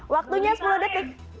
waktunya sepuluh detik